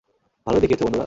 ভালোই দেখিয়েছ, বন্ধুরা।